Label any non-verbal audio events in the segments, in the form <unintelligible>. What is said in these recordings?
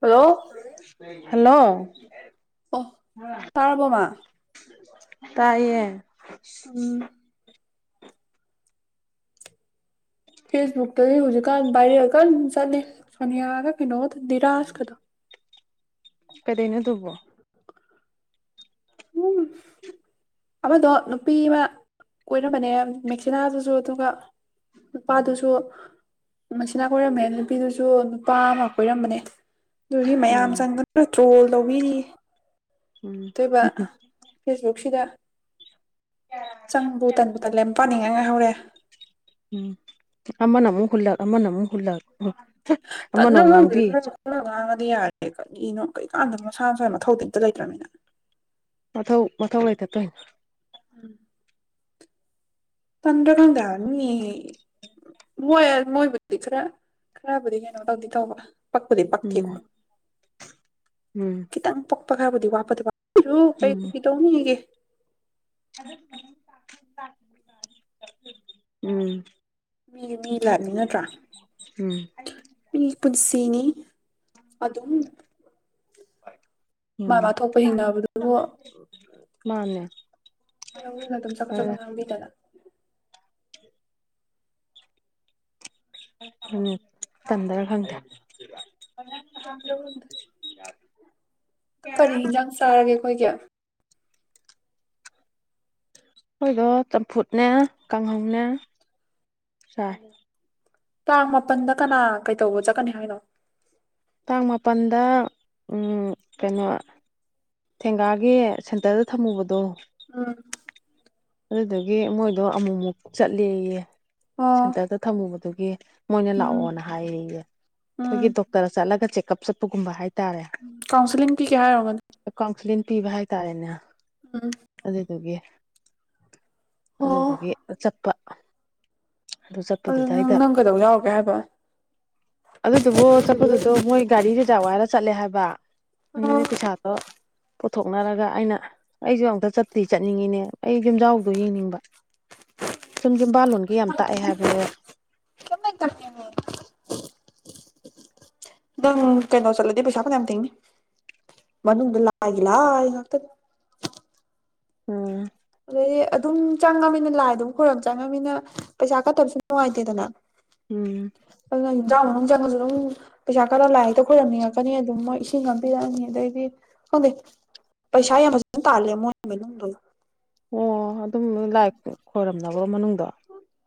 hello hello ꯑꯣ ꯇꯥꯔꯔꯕꯣꯃꯥ ꯇꯥꯏꯌꯦ <inaudible> ꯐꯦꯁꯕꯨꯛꯇꯗꯤ ꯍꯧꯖꯤꯛꯀꯥꯟ ꯚꯥꯏꯔꯦꯜ ꯀꯥꯟ ꯆꯠꯂꯤ ꯁꯣꯅꯤꯌꯥꯒ ꯅꯣꯗ <unintelligible> ꯗꯤꯔꯥꯁ ꯀꯗꯣ ꯀꯩꯗꯩꯅꯣ ꯗꯨꯕꯣ ꯎꯝ ꯑꯃꯗꯣ ꯅꯨꯄꯤ ꯑꯃ ꯀꯣꯏꯔꯝꯕꯅꯦ ꯃꯦꯛꯁꯤꯅꯥꯗꯨꯁꯨ ꯑꯗꯨꯒ ꯅꯨꯄꯥꯗꯨꯁꯨ ꯃꯦꯛꯁꯤꯅꯥ ꯀꯣꯏꯔꯝꯃꯦ ꯅꯨꯄꯤꯗꯨꯁꯨ ꯅꯨꯄꯥ ꯑꯃ ꯀꯣꯏꯔꯝꯕꯅꯦ ꯑꯗꯨꯒꯤ ꯃꯌꯥꯝ ꯎꯝ ꯆꯪꯗ ꯇ꯭ꯔꯣꯜ ꯇꯧꯕꯤꯔꯤ <unintelligible> ꯎꯝ ꯑꯃꯨꯛꯇꯣꯢꯕ ꯐꯦꯁꯕꯨꯛꯁꯤꯗ ꯆꯪꯕꯨ ꯇꯟꯕꯨ ꯇꯂꯦ ꯃꯄꯅꯤ ꯉꯥꯢ ꯉꯥꯏꯍꯧꯔꯦ ꯎꯝ ꯑꯃꯅ ꯑꯃ ꯍꯨꯜꯂꯛ ꯑꯃꯅ ꯑꯃꯨꯛ ꯍꯨꯜꯂꯛ ꯑꯃꯅ ꯇꯟꯗ꯭ꯔ ꯑꯃꯨꯛ ꯈꯪꯗꯦ ꯉꯥꯡꯕꯤ ꯈꯔ ꯈꯔ ꯉꯥꯡꯉꯗꯤ ꯌꯥꯔꯦ ꯀꯔꯤꯅꯣ ꯀꯩꯀꯥꯟꯗ ꯃꯁꯥ ꯃꯁꯥꯒꯤ ꯃꯊꯧꯗꯤ ꯑꯝꯇ ꯂꯩꯇ꯭ꯔꯃꯤꯅ ꯃꯊꯧ ꯃꯊꯧ ꯂꯩꯇ ꯇꯣꯏꯅꯦ ꯎꯝ ꯇꯟꯗ꯭ꯔ ꯈꯪꯗꯦ ꯍꯥꯢꯕ ꯃꯤ ꯃꯣꯏ ꯃꯣꯏꯕꯨꯗꯤ ꯈꯔ ꯈꯔꯕꯨꯗꯤ ꯀꯩꯅꯣ ꯇꯧꯗꯤ ꯇꯧꯕ ꯄꯛꯄꯨꯗꯤ ꯄꯛꯇꯦ ꯎꯝ ꯀꯣ ꯎꯝ ꯈꯥꯔꯕꯨꯗꯤ ꯋꯥꯕ ꯐꯠꯇ ꯃꯥꯕꯨ ꯎꯝ ꯀꯩꯗꯧꯅꯤꯒꯦ ꯎꯝ ꯃꯤ ꯃꯤ ꯂꯥꯏꯅꯤ ꯅꯠꯇ꯭ꯔꯥ ꯎꯝ ꯃꯤ ꯄꯨꯟꯁꯤ ꯄꯤꯅꯤ ꯑꯗꯨꯝ ꯍꯥꯢ ꯃꯥ ꯃꯥ ꯊꯣꯛꯄ ꯍꯤꯡꯅꯕꯗꯨꯕꯨ ꯃꯥꯅꯦ ꯑꯗꯨꯝ ꯆꯒꯠ ꯆꯒꯠ ꯈꯔ ꯉꯥꯡꯕꯤꯗꯅ ꯎꯝ ꯇꯟꯗ꯭ꯔ ꯈꯪꯗꯦ ꯇꯟꯗ꯭ꯔꯥ ꯈꯪꯗꯦ ꯑꯗꯨ ꯀꯔꯤ ꯌꯦꯟꯖꯥꯡ ꯆꯥꯔꯒꯦ ꯑꯩꯈꯣꯏꯒꯤ ꯑꯩꯈꯣꯏꯗꯣ ꯆꯝꯐꯨꯠꯅꯦ ꯀꯥꯡꯍꯧꯅꯦ ꯆꯥꯏ ꯇꯥꯡ ꯃꯥꯄꯜꯗ ꯀꯅꯥ ꯀꯩꯇꯧꯕ ꯆꯠꯀꯅꯤ ꯍꯥꯏꯅꯣ ꯇꯥꯡ ꯃꯥꯄꯜꯗ ꯀꯩꯅꯣ ꯊꯦꯡꯒꯥꯒꯤ ꯁꯦꯟꯇꯔꯗ ꯊꯝꯃꯨꯕꯗꯣ ꯎꯝ ꯑꯗꯨꯗꯨꯒꯤ ꯃꯣꯢ ꯑꯗꯣ ꯑꯃꯨꯛꯃꯨꯛ ꯆꯠꯂꯦꯌꯦ ꯑꯣ ꯁꯦꯟꯇꯔꯗ ꯊꯝꯃꯨꯕ ꯗꯨꯒꯤ ꯃꯣꯏꯅ ꯎꯝ ꯂꯥꯛꯑꯣꯅ ꯍꯥꯢꯌꯦꯌꯦ ꯎꯝ ꯑꯩꯈꯣꯏꯒꯤ ꯗꯣꯛꯇꯔ ꯆꯠꯂꯒ ꯆꯦꯛ ꯎꯞ ꯀꯞ ꯆꯠꯄꯒꯨꯝꯕ ꯍꯥꯏ ꯎꯝ ꯀꯥꯎꯟꯁꯤꯂꯤꯡ ꯄꯤꯒꯦ ꯍꯥꯏ ꯑꯣꯢꯔꯝꯒꯅꯤ ꯀꯥꯎꯟꯁꯤꯂꯤꯡ ꯄꯤꯕ ꯍꯥꯏꯇꯥꯔꯦꯅꯦ ꯑꯗꯨꯗꯨꯒꯤ ꯑꯣ ꯑꯗꯨꯗꯨꯒꯤ ꯆꯠꯄ ꯑꯗꯨ ꯅꯪ ꯆꯠꯄꯗꯨꯗꯩꯗ ꯅꯪ ꯀꯩꯗꯧ ꯌꯥꯎꯔꯨꯒꯦ ꯍꯥꯏꯕ <inaudible> ꯑꯗꯨꯗꯨꯕꯨ ꯆꯠꯄꯗꯨꯗꯣ ꯃꯣꯏ ꯒꯥꯔꯤ ꯔꯤꯖꯥꯞ ꯋꯥꯏꯔ ꯆꯠꯂꯦ ꯍꯥꯏꯕ <unintelligible> ꯑꯗꯨꯗꯤ ꯑꯣ ꯄꯩꯁꯥꯗꯣ ꯄꯨꯊꯣꯛꯅꯔꯒ ꯑꯩꯅ ꯑꯩꯁꯨ ꯑꯃꯨꯛꯇ ꯆꯠꯇꯤ ꯆꯠꯅꯤꯡꯉꯤꯅꯦ ꯑꯩ ꯌꯨꯝꯖꯥꯎꯗꯣ ꯌꯦꯡꯅꯤꯡꯕ ꯁꯝ ꯌꯨꯝꯕꯥꯜꯂꯣꯟꯒ ꯑꯩ ꯍꯥꯏꯕꯅꯦ <inaudible> ꯀꯃꯥꯏ ꯇꯧꯒꯦꯅꯦ <inaudible> ꯅꯪ ꯀꯩꯅꯣ ꯆꯠꯂꯗꯤ ꯄꯩꯁꯥ ꯐꯅꯌꯥꯝ ꯊꯦꯡꯅꯤ ꯃꯅꯨꯡꯗ ꯂꯥꯏꯒꯤ ꯂꯥꯏ ꯉꯥꯛꯇ ꯎꯝ ꯑꯗꯩꯗꯤ ꯑꯗꯨꯝ ꯆꯪꯉꯝꯅꯤꯅ ꯂꯥꯏ ꯑꯗꯨꯝ ꯈꯣꯏꯔꯝ ꯆꯪꯉꯝꯅꯤꯅ ꯄꯩꯁꯥ ꯀꯠꯇꯕꯁꯨ ꯅꯨꯡꯉꯥꯏꯇꯦꯗꯅ ꯎꯝ <unintelligible> ꯆꯪꯉꯁꯨ ꯑꯗꯨꯝ ꯄꯩꯁꯥ ꯈꯔ ꯂꯥꯏ ꯍꯦꯛꯇ ꯈꯣꯏꯔꯝꯅꯤꯡꯉꯛꯀꯅꯤ ꯑꯗꯨꯝ ꯃꯣꯏ ꯏꯁꯤꯡ ꯄꯤꯔꯛꯑꯅꯤ ꯑꯗꯩꯗꯤ ꯈꯪꯗꯦ ꯄꯩꯁꯥ ꯌꯥꯝ ꯐꯖꯅ ꯇꯥꯜꯂꯦ ꯃꯣꯏ ꯃꯅꯨꯡꯗ ꯑꯣ ꯑꯗꯨꯝ ꯂꯥꯏ ꯈꯣꯏꯔꯝꯅꯕ꯭ꯔꯣ ꯃꯅꯨꯡꯗꯣ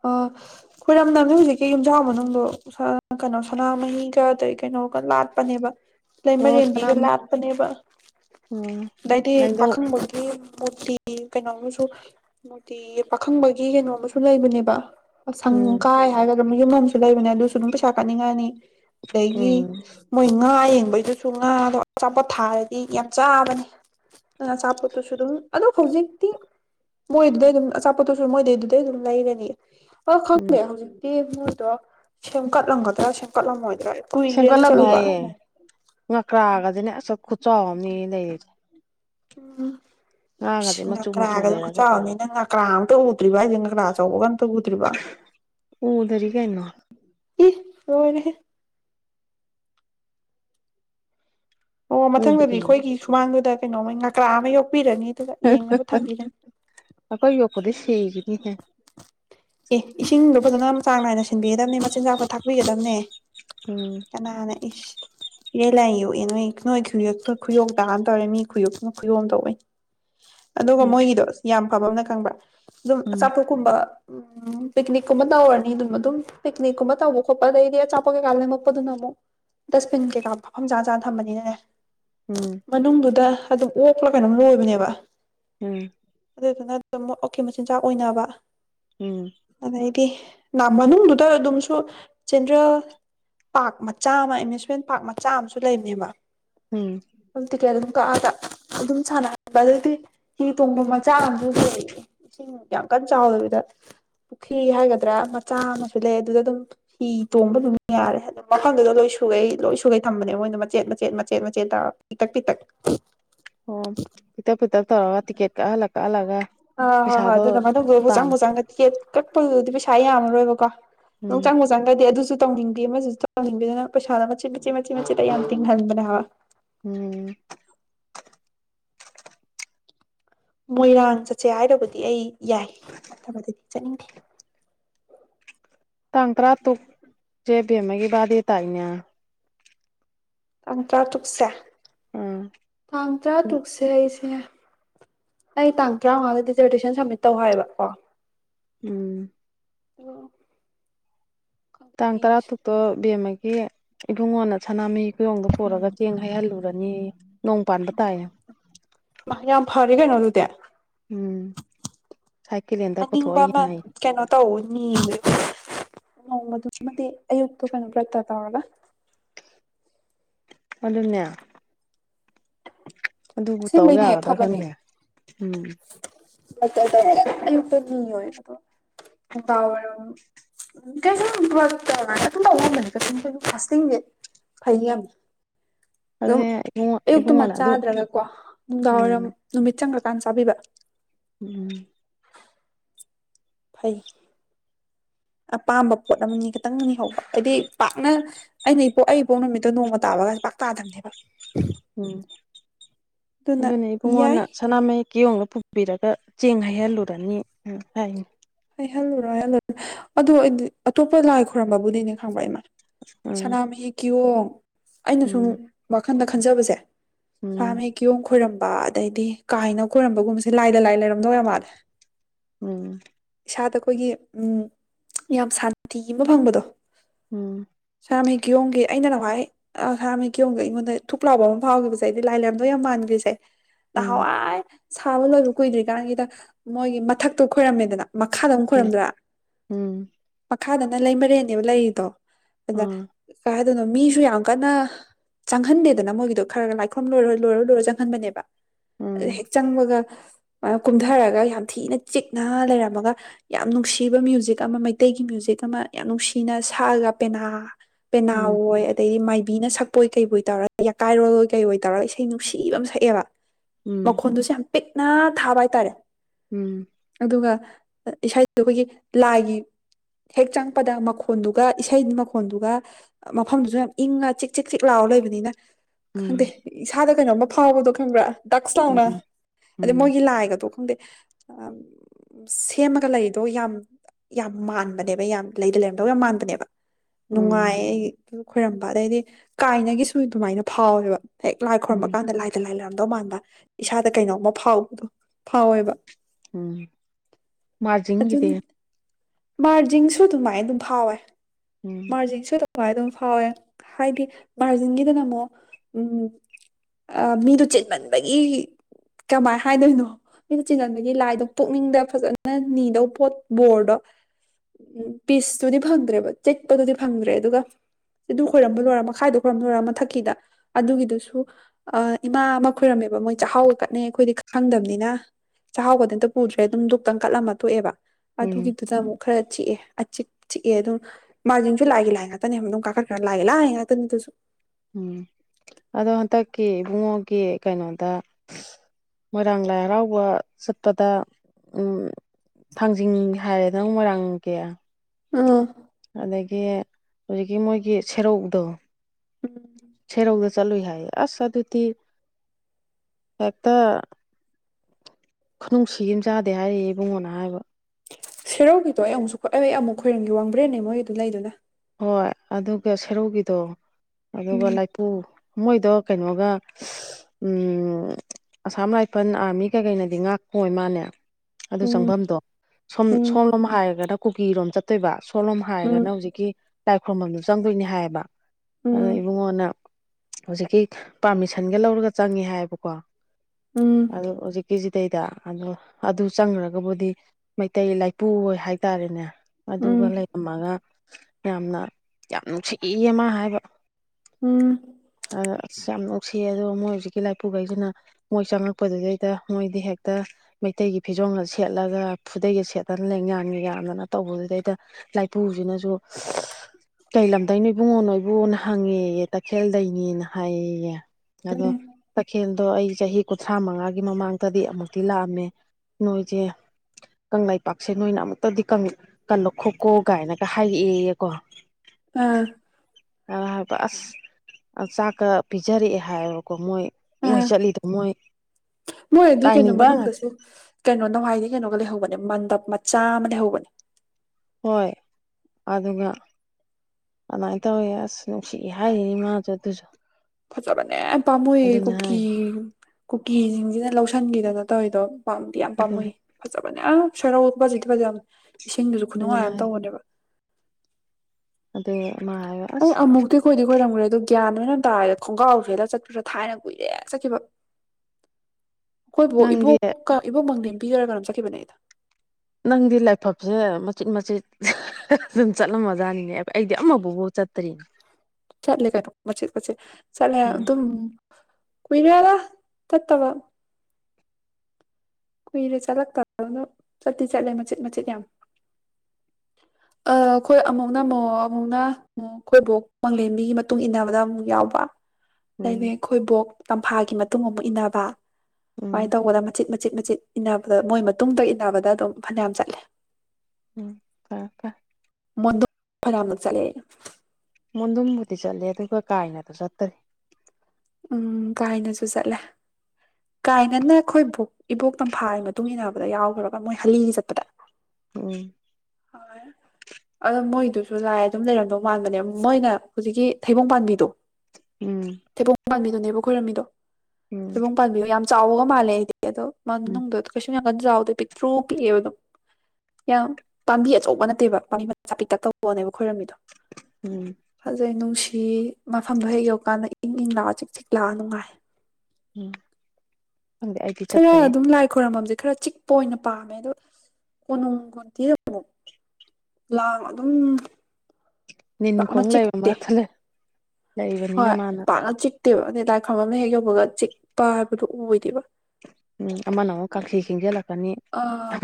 ꯑꯥ ꯈꯣꯏꯔꯝꯗꯝꯅꯦ ꯍꯧꯖꯤꯛꯀꯤ ꯌꯨꯝꯖꯥꯎ ꯃꯅꯨꯡꯗꯣ ꯁ ꯀꯩꯅꯣ ꯁꯅꯥꯃꯍꯤꯒ ꯑꯗꯩ ꯀꯩꯅꯣꯒ ꯂꯥꯠꯄꯅꯦꯕ ꯑꯣ ꯂꯩꯃꯔꯦꯟꯕꯤꯒ ꯁꯅꯥꯃꯍꯤ ꯂꯥꯠꯄꯅꯦꯕ ꯎꯝ ꯑꯗꯩꯏꯗꯤ ꯂꯥꯏꯙꯧ ꯄꯥꯈꯪꯕꯒꯤ ꯃꯨꯔꯇꯤ ꯀꯩꯅꯣ ꯑꯃꯁꯨ ꯃꯨꯔꯇꯤ ꯄꯥꯈꯪꯕꯒꯤ ꯀꯩꯅꯣ ꯑꯃꯁꯨ ꯁꯨ ꯂꯩꯕꯅꯦꯕ ꯎꯝ ꯁꯪꯒꯥꯏ ꯍꯥꯏꯒꯗ꯭ꯔ ꯃꯌꯨꯝ ꯑꯝ ꯂꯩꯕꯅꯦ ꯑꯗꯨꯁꯨ ꯑꯗꯨꯝ ꯄꯩꯁꯥ ꯀꯥꯅꯤꯡꯉꯥꯏꯅꯤ ꯎꯝ ꯂꯩꯒꯤ ꯃꯣꯏ ꯉꯥ ꯌꯦꯡꯕꯩꯗꯨꯁꯨ ꯉꯥꯗꯣ ꯑꯆꯥꯄꯣꯠ ꯊꯥꯔꯗꯤ ꯌꯥꯝ ꯆꯥꯕꯅꯤ ꯑꯗꯨ ꯑꯆꯥꯄꯣꯠꯇꯨꯁꯨ ꯑꯗꯨꯝ ꯑꯗꯣ ꯍꯧꯖꯤꯛꯇꯤ ꯃꯣꯏꯗꯨꯗꯩ ꯑꯗꯨꯝ ꯑꯆꯥꯄꯣꯠꯇꯨꯁꯨ ꯃꯣꯏꯗꯩ ꯂꯥꯏꯅꯦꯅꯤ ꯄꯥꯎ ꯎꯝ ꯈꯪꯗꯦ ꯍꯧꯖꯤꯛꯇꯤ ꯏꯃꯨꯗꯣꯥꯥꯥꯥ ꯁꯦꯝꯀꯠꯂꯝꯒꯗ꯭ꯔ ꯁꯦꯝꯀꯠꯂꯝꯃꯣꯏꯗ꯭ꯔꯥ ꯀꯨꯏꯔꯦꯅ ꯁꯦꯝꯒꯠꯂꯝꯃꯦ ꯆꯠꯂꯨꯕ ꯍꯥꯏꯌꯦ ꯉꯀ꯭ꯔꯥꯒꯁꯤꯅ ꯑꯁ ꯈꯨꯠꯆꯥꯎꯑꯝꯅꯦꯌꯦ ꯂꯩꯔꯤꯁꯦ ꯎꯝ ꯏꯁ ꯉꯥꯒꯁꯦ ꯃꯆꯨ ꯃꯆꯨ ꯉꯀ꯭ꯔꯥꯒꯗꯣ ꯂꯩꯔꯒ ꯈꯨꯆꯥꯎꯃꯅꯤ ꯅꯪ ꯉꯀ꯭ꯔꯥ ꯑꯃꯨꯛꯇ ꯎꯗ꯭ꯔꯤꯕ ꯍꯥꯏꯁꯦ ꯉꯀ꯭ꯔꯥ ꯑꯆꯧꯕꯒ ꯑꯝꯇ ꯎꯗ꯭ꯔꯤꯕ ꯎꯗꯔꯤ ꯀꯩꯅꯣ ꯏ ꯑꯣꯏꯔꯦꯍꯦ ꯑꯣ ꯃꯊꯪꯗꯗꯤ ꯎꯗꯔꯤꯌꯦ ꯑꯩꯈꯣꯏꯒꯤ ꯁꯨꯃꯥꯡꯗꯨꯗ ꯀꯩꯅꯣꯃꯅꯤ ꯉꯀ꯭ꯔꯥ ꯑꯃꯥ ꯌꯣꯛ ꯍꯥ ꯍꯥ ꯍꯥ ꯑꯈꯣꯏ ꯌꯣꯛꯄꯗꯤ ꯁꯤꯒꯤꯅꯤ ꯍꯦ ꯑꯦ ꯏꯁꯤꯡꯗꯣ ꯐꯖꯅ ꯆꯥꯡ ꯅꯥꯏꯅ ꯁꯤꯟꯕꯤꯒꯗꯝꯅꯦ ꯃꯆꯤꯟꯖꯥꯛꯇꯣ ꯊꯥꯛꯄꯤꯒꯗꯝꯅꯦ ꯎꯝ ꯀꯅꯥꯅ ꯏꯁ <unintelligible> ꯅꯣꯏ ꯈꯨꯌꯣꯛꯇꯨ ꯈꯨꯌꯣꯛ ꯇꯥꯑꯝ ꯇꯧꯋꯦ ꯃꯤ ꯈꯨꯌꯣꯛꯛꯇꯨꯅ ꯈꯨꯌꯣꯛ ꯑꯝ ꯇꯧꯋꯦ ꯑꯗꯨꯒ ꯎꯝ ꯃꯣꯏꯒꯤꯗꯣ ꯌꯥꯝ ꯑꯐꯕ ꯑꯃꯅ ꯈꯪꯕ꯭ꯔ ꯑꯗꯨꯝ ꯎꯝ ꯑꯆꯥꯄꯣꯠꯀꯨꯝꯕ ꯎꯝ ꯄꯤꯛꯅꯤꯛ ꯀꯨꯝꯕ ꯇꯧꯔꯅꯤ ꯑꯗꯨꯝ ꯑꯗꯨꯝ ꯄꯤꯛꯅꯤꯛ ꯀꯨꯝꯕ ꯇꯧꯔꯅꯤ ꯑꯗꯨꯝ ꯄꯤꯛꯅꯤꯛ ꯀꯨꯝꯕ ꯇꯧꯕ ꯈꯣꯠꯄ ꯑꯗꯩꯗꯤ ꯑꯆꯥꯄꯣꯠ ꯀꯩꯀꯥ ꯂꯩꯦꯝꯃꯛꯄꯗꯨꯅ ꯑꯃꯨꯛ ꯗꯁꯕꯤꯟ ꯀꯩꯀꯥ ꯃꯐꯝ ꯆꯥ ꯆꯥꯅ ꯊꯝꯝꯕꯅꯤꯅ ꯑꯦ ꯎꯝ ꯃꯅꯨꯡꯗꯨꯗ ꯑꯗꯨꯝ ꯑꯣꯛꯂ ꯀꯩꯅꯣꯝ ꯂꯣꯏꯕꯅꯦꯕ ꯎꯝ ꯑꯗꯨꯗꯨꯅ ꯑꯗꯨꯝ ꯑꯣꯛꯀꯤ ꯃꯆꯤꯟꯖꯥꯛ ꯑꯣꯏꯅꯕ ꯎꯝ ꯑꯗꯩꯗꯤ ꯃꯅꯨꯡꯗꯨꯗ ꯑꯗꯨꯝꯁꯨ ꯆꯦꯟꯗ꯭ꯔꯦꯜ ꯄꯥꯔꯛ ꯃꯆꯥ ꯑꯃ ꯑꯃ꯭ꯌꯨꯁꯃꯦꯟ ꯄꯥꯔꯛ ꯃꯆꯥ ꯑꯃꯁꯨ ꯂꯩꯕꯅꯦꯕ ꯎꯝ ꯇꯤꯛꯀꯦꯠ ꯑꯗꯨꯝ ꯀꯛꯑꯒ ꯑꯗꯨꯝ ꯁꯥꯟꯅꯍꯟꯕ ꯑꯗꯨꯗꯤ ꯍꯤ ꯇꯣꯡꯕ ꯃꯆꯥ ꯑꯃꯁꯨ ꯂꯩ ꯏꯁꯤꯡ ꯌꯥꯝ ꯀꯟꯅ ꯆꯥꯎꯗꯕꯤꯗ ꯄꯨꯈ꯭ꯔꯤ ꯍꯥꯏꯒꯗ꯭ꯔꯥ ꯃꯆꯥ ꯑꯃꯁꯨ ꯂꯩ ꯑꯗꯨꯗ ꯑꯗꯨꯝ ꯍꯤ ꯇꯣꯡꯕ ꯑꯗꯨꯝ ꯌꯥꯔꯦ ꯑꯗꯨꯝ ꯃꯐꯝꯗꯨꯗ ꯂꯣꯏ ꯁꯨꯒꯩ ꯂꯣꯏ ꯁꯨꯒꯩ ꯊꯝꯕꯅꯦꯕ ꯃꯣꯏꯅ ꯃꯆꯦꯠ ꯃꯆꯦꯠ ꯆꯦ ꯃ ꯆꯦ ꯇꯧꯔ ꯄꯤꯇꯛ ꯄꯤꯇꯛ ꯑꯣ ꯄꯤꯇꯛ ꯄꯤꯇꯛ ꯇꯧꯔ ꯇꯤ ꯀꯦꯠ ꯀꯛꯍꯜ ꯀꯛꯍꯜꯂꯒ ꯍ ꯍꯣꯏ ꯍꯣꯏ ꯄꯩꯁꯥꯗꯣ ꯑꯗꯨꯅ ꯃꯅꯨꯡꯗꯕꯨ ꯇꯥꯟ ꯆꯡꯕꯨ ꯆꯡꯒ ꯇꯤꯀꯦꯠ ꯀꯛꯄꯗ ꯄꯩꯁꯥ ꯄꯩꯁꯥ ꯌꯥꯝꯃꯔꯣꯏꯕꯀꯣ ꯅꯨꯡ ꯎꯝ ꯆꯪꯕꯨ ꯆꯪꯒ꯭ꯔꯗꯤ ꯑꯗꯨꯁꯨ ꯇꯧꯅꯤꯡꯗꯦ ꯑꯃꯁꯨꯁꯨ ꯇꯧꯅꯤꯡꯗꯗꯅ ꯄꯩꯁꯥꯗ ꯃꯆꯦꯠ ꯃꯆꯦꯠ ꯃꯆꯦ ꯃꯆꯦꯠꯇ ꯌꯥꯝ ꯇꯤꯡꯍꯟꯕꯅꯦ ꯍꯥꯏꯕ ꯎꯝ ꯃꯣꯏꯔꯥꯡ ꯆꯠꯁꯦ ꯍꯥꯏꯔꯕꯗꯤ ꯑꯩ ꯌꯥꯏ ꯅꯠꯇꯕ ꯑꯗꯨꯗꯤ ꯆꯠꯅꯤꯡꯗꯦ ꯇꯥꯡ ꯇꯔꯥ ꯇꯨꯛ ꯆꯦ ꯕꯦꯝꯃꯒꯤ ꯕꯥꯔꯗꯦ ꯇꯥꯏꯅꯦ ꯇ ꯇ꯭ꯔꯥ ꯇꯨꯨꯛꯁꯦ ꯎꯝ ꯇꯥꯡ ꯇꯔꯥ ꯇꯨꯛꯁꯦ ꯑꯩꯁꯦ ꯑꯩ ꯇꯥꯡ ꯇꯔꯥꯃꯉꯥꯗ ꯗꯤꯖꯔꯇꯦꯁꯟ ꯁꯕꯃꯤꯠ ꯇꯧ ꯍꯥꯏꯌꯦꯕꯀꯣ ꯎꯝ ꯑꯣ ꯇꯥꯡ ꯇꯔꯥ ꯇꯨꯛꯇꯣ ꯕꯦꯝꯃꯒꯤ ꯍꯩ ꯏꯕꯨꯡꯉꯣꯅ ꯁꯅꯥꯃꯍꯤ ꯀꯤꯌꯣꯡꯗ ꯄꯨꯔꯒ ꯆꯦꯡ ꯍꯩꯍꯜꯂꯨꯔꯅꯤ ꯅꯣꯡ ꯄꯥꯟꯕ ꯇꯥꯏꯌꯦ <inaudible> ꯎꯝ ꯁꯥꯏꯠ ꯀꯦꯂꯦꯟꯗꯔ ꯄꯨꯊꯣꯛꯑ ꯑꯅꯤꯡꯕ ꯑꯃ ꯌꯦꯡꯅꯩ ꯀꯩꯅꯣ ꯇꯧꯅꯤꯕ ꯃꯇꯦ ꯑꯌꯨꯛꯇꯨ ꯀꯩꯅꯣ ꯕ꯭ꯔꯠꯇ ꯇꯧꯔꯒ ꯑꯗꯨꯅꯦ ꯑꯗꯨꯕꯨ ꯇꯧ ꯑꯁꯦꯡꯕꯩꯅꯦ ꯌꯥꯒꯗ꯭ꯔꯥ ꯐꯕꯅꯦ ꯈꯪꯗꯦ ꯎꯝ ꯑꯌꯨꯛꯇ ꯅꯤꯌꯣꯏ ꯑꯗꯣ ꯅꯨꯡꯗꯥꯡꯋꯥꯏꯔꯝ ꯀꯩꯁꯨꯨꯝꯛꯇꯃꯥꯏꯅ ꯑꯗꯨꯝ ꯑꯋꯥꯕꯅꯤ ꯀꯩꯁꯨꯝ ꯀ ꯐꯥꯁꯇꯤꯡꯁꯦ ꯐꯩ ꯌꯥꯝꯅꯤ ꯑꯗꯨ ꯏ ꯏꯕꯨꯡꯉꯣ ꯏꯕꯨꯡꯉꯣꯅ ꯑꯗꯨ ꯆꯥꯗ꯭ꯔꯒꯀꯣ ꯎꯝ ꯅꯨꯡꯗꯥꯡꯋꯥꯏꯔꯝ ꯅꯨꯃꯤꯠ ꯆꯪꯉꯛ ꯀꯥꯟ ꯆꯥꯕꯤꯕ <unintelligible> ꯎꯝ ꯐꯩ ꯑꯄꯥꯝꯕ ꯄꯣꯠ ꯑꯃꯅꯤ ꯈꯤꯇꯪ ꯅꯤꯍꯧꯕ ꯍꯥꯏꯗꯤ ꯄꯥꯛꯅ ꯑꯩꯅ ꯏꯄꯣꯛ ꯑꯩ ꯏꯄꯣꯛ ꯅꯨꯃꯤꯠꯇꯣ ꯅꯣꯡꯃ ꯇꯥꯕꯒ ꯄꯥꯛ ꯇꯥꯗꯝꯅꯦꯕ ꯎꯝ ꯑꯗꯨꯅ ꯏꯕꯨꯡꯉꯣꯅ ꯌꯥꯏ ꯁꯅꯥꯃꯍꯤ ꯀꯤꯌꯣꯡ ꯄꯨꯕꯤꯔꯒ ꯆꯦꯡ ꯍꯩꯍꯜꯂꯨꯔꯅꯤ ꯎ ꯍꯥꯏꯅꯤ ꯍꯩꯍꯜꯂꯨꯔꯣ ꯍꯜꯂꯨꯔꯣ ꯑꯗꯣ ꯑꯩꯗꯤ ꯑꯇꯣꯞꯄ ꯂꯥꯏ ꯈꯣꯏꯔꯝꯕꯕꯨꯗꯤꯅꯦ ꯈꯪꯕ ꯏꯃꯥ ꯎꯝ ꯁꯅꯥꯃꯍꯤ ꯀꯤꯌꯣꯡ ꯑꯩꯅ ꯁꯨꯝ ꯎꯝ ꯃꯈꯥ ꯁꯪꯗ ꯈꯟꯖꯕꯁꯦ ꯎꯝ ꯁꯥꯅꯃꯍꯤ ꯀꯤꯌꯣꯡ ꯈꯣꯏꯔꯝ ꯄꯥ ꯑꯗꯩꯗꯤ ꯀꯥꯏꯅ ꯈꯣꯏꯔꯝꯕꯒꯨꯝꯕꯁꯦ ꯂꯥꯏꯗ ꯂꯥꯏ ꯂꯩꯔꯝꯗꯣꯏꯔ ꯃꯥꯜꯂꯦ <unintelligible> ꯎꯝ ꯏꯁꯥꯗ ꯑꯩꯈꯣꯏꯒꯤ ꯎꯝ ꯌꯥꯝ ꯁꯥꯟꯇꯤ ꯑꯃ ꯐꯪꯕꯗꯣ ꯁꯅꯃꯍꯤ ꯀꯤꯌꯣꯡꯒꯤ ꯑꯩꯅ ꯅꯋꯥꯏ ꯁꯅꯃꯍꯤ ꯀꯤꯌꯣꯡ ꯑꯩꯉꯣꯟꯗ ꯊꯨꯨꯛꯂꯥꯎꯕ ꯑꯃ ꯐꯥꯎꯈꯤꯕꯁꯦ ꯑꯩꯗꯤ ꯂꯥꯏ ꯂꯩꯔꯝꯗꯧ ꯌꯥꯝ ꯃꯥꯟꯒꯔꯤꯖꯦ ꯎꯝ ꯅꯍꯥꯋꯥꯏ ꯁꯥꯕ ꯂꯣꯏꯕ ꯀꯨꯏꯗ꯭ꯔꯤꯀꯥꯟꯒꯤꯗ ꯃꯣꯏꯒꯤ ꯃꯊꯛꯇꯣ ꯈꯣꯏꯔꯝꯃꯤꯗꯅ ꯃꯈꯥꯗ ꯑꯃꯨꯛ ꯎꯝ ꯈꯣꯏꯔꯝꯗꯣꯏꯔ ꯎꯝ ꯃꯈꯥꯗꯅ ꯂꯩꯃꯔꯦꯟꯅꯦꯕ ꯂꯩꯔꯤꯗꯣ ꯎꯝ ꯑꯗ ꯑꯥ <unintelligible> ꯑꯗꯨꯅ ꯃꯤꯁꯨ ꯌꯥꯝ ꯀꯟꯅ ꯆꯪꯍꯟꯗꯦꯗꯅ ꯃꯣꯏꯒꯤꯗꯣ ꯈꯔ ꯈ ꯂꯥꯏꯈ꯭ꯔꯣꯝ ꯂꯣꯏꯔ ꯂꯣꯏꯔ ꯂꯣꯏꯔ ꯆꯪꯍꯟꯕꯅꯦꯕ ꯑ ꯎꯝ ꯍꯦꯛ ꯆꯪꯕꯒ ꯀꯨꯝꯊꯔꯒ ꯌꯥꯝ ꯊꯤꯅ ꯆꯤꯛꯅ ꯂꯩꯔꯝ ꯇꯒ ꯌꯥꯝ ꯅꯨꯡꯁꯤꯕ ꯃ꯭ꯌꯨꯖꯤꯛ ꯑꯃ ꯃꯩꯇꯩꯒꯤ ꯃ꯭ꯌꯨꯖꯤꯛ ꯑꯃ ꯌꯥꯝ ꯅꯨꯡꯁꯤꯅ ꯁꯥꯛꯑꯒ ꯄꯦꯅꯥ ꯎꯝ ꯄꯦꯅꯥꯎ ꯑꯣꯏ ꯑꯗꯩꯗꯤ ꯃꯥꯏ ꯕꯤꯅ ꯁꯛꯄꯣꯏ ꯀꯩꯕꯣꯏ ꯇꯧꯔ ꯌꯥꯀꯥꯏꯔꯣꯜꯂꯣꯏ ꯀꯩ ꯑꯣꯏ ꯇꯧꯔꯒ ꯏꯁꯩ ꯅꯨꯡꯁꯤꯕ ꯑꯃ ꯁꯛꯑꯦꯕ ꯎꯝ ꯃꯈꯣꯟꯗꯨꯁꯨ ꯌꯥꯝ ꯄꯤꯛꯅ ꯊꯥꯕ ꯍꯥꯏꯇꯥꯔꯦ ꯎꯝ ꯑꯗꯨꯒ ꯏꯁꯩꯗꯨ ꯑꯩꯈꯣꯏꯒꯤ ꯂꯥꯏꯒꯤ ꯍꯦꯛ ꯆꯪꯛꯄꯗ ꯃꯈꯣꯟꯗꯨꯒ ꯏꯁꯩ ꯃꯈꯣꯟꯗꯨꯒ ꯃꯐꯝꯗꯨꯁꯨ ꯌꯥꯝ ꯏꯪꯉ ꯆꯤꯛ ꯆꯤꯛ ꯆꯤꯛ ꯂꯥꯎꯔ ꯂꯩꯕꯅꯤꯅ ꯈꯪꯗꯦ ꯎꯝ ꯏꯁꯥꯗ ꯀꯩꯅꯣꯝꯃ ꯐꯥꯎꯕꯗꯣ ꯈꯪꯕ꯭ꯔꯥ ꯗꯛꯁ ꯎꯝ ꯂꯥꯎꯅ ꯑꯗꯩ ꯎꯝ ꯃꯣꯏꯒꯤ ꯂꯥꯏꯒꯗꯣ ꯈꯪꯗꯦ ꯑꯥꯝ ꯁꯦꯝꯃꯒ ꯂꯩꯗꯣ ꯌꯥꯝ ꯌꯥꯝ ꯃꯥꯟꯕꯅꯦꯕ ꯌꯥꯝ ꯂꯩꯗ ꯂꯩꯔꯝꯗꯧ ꯌꯥꯝ ꯃꯥꯟꯕꯅꯦꯕ ꯎꯝ ꯅꯨꯡꯉꯥꯏ ꯈꯣꯏꯔꯝꯕ ꯑꯗꯩꯗꯤ ꯀꯥꯏꯅꯒꯤꯁꯨ ꯑꯗꯨꯃꯥꯏꯅ ꯐꯥꯎꯋꯦꯕ ꯍꯦꯛ ꯂꯥꯏ ꯈꯔꯣꯝꯕ ꯎꯝ ꯀꯥꯟꯗ ꯂꯥꯏꯗ ꯂꯥꯏ ꯈꯝꯗꯧ ꯃꯥꯟꯕ ꯏꯁꯥꯗ ꯀꯩꯅꯣꯝꯃ ꯐꯥꯎꯕꯗꯣ ꯐꯥꯎꯋꯦꯕ ꯎꯝ ꯑꯗꯨꯅꯤ ꯃꯥꯔꯖꯤꯡꯒꯤꯗ ꯃꯥꯔꯖꯤꯡꯁꯨ ꯑꯗꯨꯃꯥꯏꯅ ꯑꯗꯨꯝ ꯐꯥꯎꯋꯦ ꯎꯝ ꯃꯥꯔꯖꯤꯡ ꯁꯨ ꯈꯏ ꯑꯗꯨꯝ ꯐꯥꯎꯋꯦ ꯍꯥꯏꯗꯤ ꯃꯥꯔꯖꯤꯟꯒꯤꯗꯅ ꯑꯃꯨꯛ ꯎꯝ ꯃꯤꯗꯨꯣ ꯆꯤꯟꯃꯟꯕꯒꯤ ꯀꯃꯥꯏꯅ ꯍꯥꯏꯗꯣꯏꯅꯣ ꯃꯤꯗꯨ ꯆꯤꯟꯃꯟꯕꯒꯤ ꯂꯥꯏꯗꯣ ꯄꯨꯛꯅꯤꯡꯗ ꯐꯖꯅ ꯅꯤꯗꯧꯕ ꯄꯣꯠ ꯕꯣꯔꯗꯣ ꯎ ꯄꯤꯁꯇꯨꯗꯤ ꯐꯪꯗ꯭ꯔꯦꯕ ꯆꯤꯛꯄꯗꯨꯗꯤ ꯐꯪꯗ꯭ꯔꯦ ꯑꯗꯨꯒ ꯆꯤꯗꯨ ꯈꯣꯏꯔꯝꯕ ꯂꯣꯏꯔꯝ ꯃꯈꯥꯏꯗꯨ ꯈꯣꯏꯔꯝꯕ ꯂꯣꯏꯔꯝ ꯃꯊꯛꯀꯤꯗ ꯑꯗꯨꯒꯤꯗꯨꯁꯨ ꯏꯃꯥ ꯑꯃ ꯈꯣꯏꯔꯝꯃꯦꯕ ꯃꯣꯏ ꯆꯥꯛꯍꯥꯎꯒ ꯀꯠꯅꯩ ꯑꯩꯈꯣꯏꯗꯤ ꯈꯪꯗꯝꯕꯅꯤꯅ ꯆꯥꯛꯍꯥꯎꯒꯗꯤꯝꯇ ꯄꯨꯗ꯭ꯔꯦ ꯑꯗꯨꯝ ꯈꯤꯇꯪ ꯀꯠꯂꯝ ꯑꯃ ꯊꯣꯛꯑꯦꯕ ꯎꯝ ꯑꯗꯨꯒꯤꯗꯨꯗ ꯑꯃꯨꯛ ꯈꯔ ꯆꯤꯛꯑꯦ ꯑꯤꯛ ꯆꯤꯛꯑ ꯑꯗꯨꯝ ꯃꯥꯔꯖꯤꯡꯁꯨ ꯂꯥꯛꯑꯦ ꯂꯥꯛꯑ ꯉꯥꯛꯇꯅꯦ ꯑꯗꯨꯝ ꯀꯥꯀꯠ ꯈꯔ ꯂꯥꯛꯑꯦ ꯂꯥꯛ ꯉꯥꯛꯇꯅꯤ ꯑꯗꯨꯁꯨ ꯎꯝ ꯑꯗꯣ ꯍꯟꯗꯛꯀꯤ ꯏꯕꯨꯡꯉꯣꯒꯤ ꯀꯩꯅꯣꯗ ꯃꯣꯏꯔꯥꯡ ꯂꯥꯏ ꯍꯔꯥꯎꯕ ꯆꯠꯄꯗ ꯎ ꯊꯥꯡꯖꯤꯡ ꯍꯥꯏꯔꯦ ꯅꯪ ꯃꯣꯏꯔꯥꯡꯒꯤ ꯎ ꯑꯗꯒꯤ ꯍꯧꯖꯤꯛꯀꯤ ꯃꯣꯏꯒꯤ ꯁꯦꯔꯧꯗꯣ ꯎꯝ ꯁꯔꯧꯒ ꯆꯂꯨꯣꯏ ꯍꯥꯏ ꯑꯁ ꯑꯗꯨꯗꯤ ꯍꯦꯛꯇ ꯈꯨꯅꯨꯡꯁꯤꯃ ꯆꯥꯗꯦ ꯍꯥꯏꯔꯤꯕ ꯏꯕꯨꯡꯉꯣꯅ ꯍꯥꯏꯕ ꯁꯦꯔꯧꯒꯤꯗꯣ ꯑꯩ ꯑꯃꯨꯛꯁꯨ ꯑꯃꯨꯛ ꯈꯣꯏꯔꯦꯝꯒꯤ ꯋꯥꯡꯕ꯭ꯔꯦꯟꯅ ꯃꯣꯏꯒꯤꯗ ꯂꯩꯗꯨꯅ ꯍꯣꯏ ꯑꯗꯨꯒ ꯁꯦꯔꯧꯒꯤꯗꯣ ꯑꯗꯨꯒ ꯎꯝ ꯂꯥꯏꯄꯨꯣꯏꯗꯣ ꯀꯩꯅꯣꯒ ꯎꯝ ꯑꯁꯥꯝ ꯔꯥꯏꯐꯜ ꯑꯥꯔꯃꯤ ꯀꯩꯀꯩꯅꯗꯤ ꯉꯥꯛꯄꯣꯏ ꯃꯥꯅꯦ ꯑꯗꯨ ꯎꯝ ꯆꯪꯐꯝꯗꯣ ꯁꯨꯝ ꯎꯝ ꯁꯣꯝꯂꯣꯝ ꯍꯥꯏꯔꯒꯅ ꯀꯨꯀꯤꯔꯣꯝ ꯆꯠꯇꯣꯏꯕ ꯁꯣꯂꯣꯝ ꯎꯝ ꯍꯥꯏꯔꯒꯅ ꯍꯧꯖꯤꯛꯀꯤ ꯂꯥꯏ ꯈꯨꯔꯝꯕꯝꯗꯨ ꯆꯪꯗꯣꯏꯅꯤ ꯍꯥꯏꯌꯦꯕ ꯑ ꯎꯝ ꯏꯕꯉꯟꯅ ꯍꯧꯖꯤꯛꯀꯤ ꯄꯥꯔꯃꯤꯁꯟꯒ ꯂꯧꯔꯒ ꯆꯪꯉꯦ ꯍꯥꯏꯕꯀꯣ ꯎꯝ ꯑꯗꯨ ꯍꯧꯖꯤꯛꯀꯤꯁꯤꯗꯩꯗ ꯑꯗꯣ ꯑꯗꯨ ꯆꯪꯈ꯭ꯔꯒꯕꯨꯗꯤ ꯃꯩꯇꯩ ꯂꯥꯏꯄꯨ ꯑꯣꯏ ꯍꯥꯏꯇꯥꯔꯦꯅꯦ ꯑꯗꯨꯒ ꯎꯝ ꯂꯩꯔꯝꯃꯒ <inaudible> ꯌꯥꯝꯅ ꯌꯥꯝ ꯅꯨꯡꯁꯤꯏꯑ ꯃꯥ ꯍꯥꯏꯕ ꯎꯝ ꯑꯥ ꯑꯁ ꯌꯥꯝ ꯅꯨꯡꯁꯤꯑ ꯑꯗꯣ ꯃꯣꯏ ꯍꯧꯖꯤꯛꯀꯤ ꯂꯥꯏꯄꯨꯕꯩꯗꯨꯅ ꯃꯣꯏ ꯆꯪꯉꯛꯄꯗꯨꯗꯩꯗ ꯃꯣꯏꯗꯤ ꯍꯦꯛꯇ ꯃꯩꯇꯩꯒꯤ ꯐꯤꯖꯣꯜꯒ ꯁꯦꯠꯂꯒ ꯐꯗꯩꯒ ꯁꯦꯠꯠꯇꯅ ꯂꯦꯡꯌꯥꯟꯒ ꯌꯥꯝꯗꯅ ꯇꯧꯕꯗꯨꯗꯩꯗ ꯂꯥꯏꯄꯨꯁꯤꯅꯁꯨ ꯀꯩ ꯂꯝꯗꯩꯅꯣ ꯏꯕꯨꯡꯉꯣ ꯅꯣꯏꯕꯨꯅ ꯍꯪꯉꯦꯌꯦ ꯇꯈꯦꯜꯗꯩꯅꯤꯅ ꯍꯥꯏꯌꯦ ꯑꯗꯣ ꯎꯝ ꯇꯈꯦꯜ ꯑꯗꯣ ꯑꯩ ꯆꯍꯤ ꯀꯨꯟꯊ꯭ꯔꯥ ꯃꯉꯥꯒꯤ ꯃꯃꯥꯡꯗꯗꯤ ꯑꯃꯨꯛꯇꯤ ꯂꯥꯛꯑꯝꯃꯦ ꯅꯣꯏꯁꯦ ꯀꯪꯂꯩꯄꯥꯛꯁꯦ ꯅꯣꯏꯅ ꯑꯃꯨꯛꯇꯗꯤ ꯀꯪ ꯀꯪꯂꯛ ꯈꯣꯀꯣ ꯀꯥꯏꯅꯒ ꯍꯥꯏꯌꯦꯑꯌꯦꯀꯣ ꯑꯥ ꯍꯥꯏ ꯑꯁ ꯆꯥꯛꯀ ꯄꯤꯖꯔꯛꯑꯦ ꯍꯥꯏꯌꯦꯕꯀꯣ ꯃꯣꯏ ꯃꯣꯏ ꯑꯥ ꯆꯠꯂꯤꯗ ꯃꯣꯏ ꯃꯣꯏ ꯑꯗꯨ ꯀꯩꯅꯣ ꯂꯥꯏꯅꯤꯡꯕ ꯉꯥꯛ ꯃꯅꯨꯡꯗꯁꯨ ꯀꯩꯅꯣ ꯅꯃꯥꯏꯗꯤ ꯀꯩꯅꯣꯒ ꯂꯩꯍꯧꯕꯅꯦ ꯃꯟꯗꯗꯄ ꯆꯥꯝꯃ ꯂꯩꯍꯧꯕꯅꯤ ꯍꯣꯏ ꯑꯗꯨꯒ ꯀꯃꯥꯏꯅ ꯇꯧꯋꯦ ꯑꯁ ꯅꯨꯡꯁꯤꯑ ꯍꯥꯏꯔꯤꯅꯤ ꯃꯥꯁꯨ ꯑꯗꯨꯁꯨ ꯐꯆꯅꯦ ꯄꯝꯃꯨꯍꯑꯦ ꯑꯗꯨꯅ ꯀꯨꯀꯤ ꯍꯥꯏꯔꯦ ꯀꯨꯀꯤ ꯖꯤꯡ ꯅꯤꯅ ꯂꯧꯁꯤꯟꯈꯤꯗꯅ ꯇꯧꯔꯤꯗꯣ ꯄꯥꯝꯗꯤ ꯌꯥꯝ ꯄꯥꯝꯃꯨ ꯑꯗꯨꯅꯤ ꯐꯖꯕꯅꯦ ꯑ <unintelligible> ꯏꯁꯤꯡꯗꯨꯁꯨ ꯈꯨꯅꯨꯡꯉꯥꯏ ꯑꯗꯨꯅ ꯑꯃ ꯍꯥꯏ ꯇꯧꯕꯅꯦꯕ ꯑꯗꯨ ꯃꯥ ꯍꯥꯏꯕ ꯑꯩ ꯑꯁ ꯑꯃꯃꯨꯛꯗꯤ ꯀꯨꯏꯗꯤ ꯀꯨꯏꯔꯝꯈꯤꯔꯣꯏ ꯑꯗꯨ ꯒ꯭ꯌꯥꯟꯣꯏ ꯑꯣꯏꯅ ꯇꯥꯔꯗ ꯈꯣꯡꯒ꯭ꯔꯥꯎꯁꯦꯂ ꯆꯠꯄ꯭ꯔꯗ ꯊꯥꯏꯅ ꯀꯨꯏꯔꯦ ꯆꯠꯈꯤꯕ ꯑꯩꯈꯣꯏꯕꯨ ꯅꯪꯗꯤ ꯏꯕꯣꯛ ꯏꯕꯣꯛ ꯃꯪꯂꯦꯝ ꯄꯤꯖꯔ ꯀꯅꯝ ꯆꯠꯈꯤꯕꯅꯦ ꯑꯩꯗ ꯅꯪꯗꯤ ꯂꯥꯏꯐꯝꯁꯦ ꯃꯆꯤꯠ ꯃꯆꯤꯠ ꯑꯗꯨꯝ ꯆꯠꯂꯝꯃꯖꯥꯠꯅꯤꯅꯦ ꯑꯩꯗꯤ ꯑꯃꯕꯨꯥꯎꯕ ꯆꯠꯇ꯭ꯔꯤꯅꯦ ꯆꯠꯂꯦ ꯀꯩꯅꯣ ꯄꯦ ꯄꯦ ꯆꯠꯂ ꯎꯝ ꯑꯗꯨꯝ ꯀꯨꯏꯔꯂ ꯇꯠꯇꯕ ꯀꯨꯏꯔꯦ ꯆꯠꯂꯛꯇꯕꯅ ꯆꯠꯇꯤ ꯆꯠꯂꯦ ꯃꯆꯤꯠ ꯃꯆꯦꯠ ꯌꯥꯝ ꯑꯥ ꯑꯩꯈꯣꯏ ꯑꯃꯨꯛꯅ ꯑꯃꯨꯛ ꯑꯃꯨꯛꯅ ꯑꯃꯨꯛ ꯑꯩꯈꯣꯏ ꯕꯣꯛ ꯃꯂꯦꯝꯅꯤꯒꯤ ꯃꯇꯨꯡ ꯏꯟꯅꯕꯗ ꯑꯃꯨꯛ ꯌꯥꯎꯕ ꯂꯩꯅꯦ ꯎꯝ ꯑꯩꯈꯣꯏꯕꯣꯛ ꯇꯝꯐꯥꯒꯤ ꯏꯇꯨꯡ ꯑꯃꯨꯛ ꯏꯟꯅꯕ ꯀꯃꯥꯏꯅ ꯎꯝ ꯇꯧꯕꯗ ꯃꯆꯤꯠ ꯃꯆ ꯃꯆꯤꯠ ꯆꯆꯤꯠ ꯏꯟꯅꯕꯗ ꯃꯣꯏ ꯃꯇꯨꯡꯗ ꯏꯟꯅꯕꯗ ꯑꯗꯨꯝ ꯐꯅꯌꯥꯝ ꯆꯠꯂꯦ ꯎꯝ ꯄꯔꯦ ꯄꯔꯦ <unintelligible> ꯅꯪꯕꯨꯗꯤ ꯆꯠꯂꯦ ꯑꯗꯨꯒ ꯀꯥꯏꯅꯗ ꯆꯠꯇꯔꯤ ꯎꯝ ꯀꯥꯏꯅꯁꯨ ꯆꯠꯂꯦ ꯀꯥꯏꯅꯅ ꯑꯩꯈꯣꯏ ꯕꯣꯛ ꯏꯕꯣꯛ ꯇꯝꯐꯥꯒꯤ ꯃꯇꯨꯡ ꯏꯟꯅꯕꯗ ꯌꯥꯎꯈ꯭ꯔꯒ ꯃꯣꯏ ꯍꯂꯤꯒꯤ ꯆꯠꯄꯗ ꯎꯝ ꯍꯣꯏ ꯑꯗꯣ ꯃꯣꯏꯗꯨꯁꯨ ꯂꯥꯏꯑ ꯑꯗꯨꯝ ꯂꯩꯔꯝꯝꯕꯧ ꯃꯥꯟꯕꯅꯦ ꯃꯣꯏꯅ ꯍꯧꯖꯤꯛꯀꯤ ꯊꯩꯕꯣꯡ ꯄꯥꯝꯕꯤꯗꯣ ꯎꯝ ꯊꯩꯕꯣꯡ ꯄꯥꯝꯕꯤꯗꯨꯅꯦꯕ ꯈꯣꯏꯔꯝꯃꯤꯗꯣ ꯎꯝ ꯊꯩꯕꯣꯡꯄꯥꯟꯕꯤ ꯌꯥꯝ ꯆꯥꯎꯕꯒ ꯃꯥꯜꯂꯦ ꯑꯩꯗꯤ ꯑꯗꯣ ꯎꯝ ꯃꯅꯨꯡꯗ ꯀꯩꯁꯨ ꯌꯥꯝꯡ ꯀꯟ ꯆꯥꯎꯗꯣ ꯄꯤꯛꯇ꯭ꯔꯨ ꯄꯤꯛꯑꯦꯕ ꯑꯗꯨꯝ ꯌꯥꯝ ꯄꯥꯝꯕꯤ ꯑꯆꯧꯕ ꯅꯠꯇꯦꯕ ꯄꯥꯝꯕꯤ ꯃꯆꯥ ꯄꯤꯛꯇ ꯇꯧꯅꯦꯕ ꯈꯣꯏꯔꯝꯃꯤꯗꯣ ꯎꯝ ꯐꯖꯩ ꯅꯨꯡꯁꯤ ꯃꯐꯝꯗꯣ ꯍꯦꯛ ꯌꯧꯀꯥꯟꯗ ꯏꯪ ꯏꯪ ꯂꯥꯛꯑ ꯆꯤꯛ ꯆꯤꯛ ꯂꯥꯛꯑ ꯅꯨꯡꯉꯥꯏ ꯎꯝ ꯈꯪꯗꯦ ꯑꯩꯗꯤ ꯈꯔ ꯆꯠꯇꯔꯤ ꯑꯗꯨꯝ ꯂꯥꯏ ꯈꯣꯏꯔꯝꯕꯝꯁꯦ ꯈꯔ ꯆꯤꯛ ꯄꯣ ꯑꯏꯅ ꯄꯥꯝꯃꯦ ꯑꯗ ꯀꯣꯅꯨꯡ ꯀꯣꯟꯊꯤꯗ ꯑꯃꯨꯛ ꯂꯥꯡ ꯑꯗꯨꯝ ꯅꯤꯟ ꯈꯣ ꯄꯥꯛꯅ ꯂꯩꯏꯕ ꯆꯤꯛꯇꯦ ꯃꯥꯔ ꯊꯂꯦ ꯍꯣꯏ ꯄꯥꯛꯅ ꯆꯤꯛꯇꯦꯕ ꯑꯩ ꯂꯥꯏ ꯈꯔꯝꯝꯕꯝꯅ ꯍꯦꯛ ꯌꯧꯕꯒ ꯆꯤꯛ ꯇꯥ ꯍꯥꯏꯕꯗꯨ ꯎ ꯑꯣꯏꯗꯦꯕ ꯎꯝ ꯑꯃ ꯅꯃꯨꯛ ꯀꯥꯡꯁꯤ ꯈꯤꯡꯖꯤꯜꯂꯥꯛ ꯑꯅꯤ ꯑꯥ